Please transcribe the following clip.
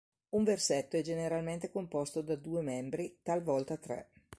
Un versetto è generalmente composto da due membri, talvolta tre.